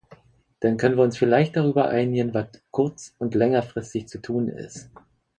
Dann können wir uns vielleicht darüber einigen, was kurz und längerfristig zu tun ist.